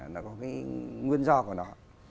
nó có cái nguyên do của nó